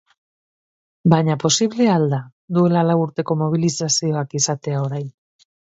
Baina, posible al da duela la u urteko mobilizazioak izatea orain?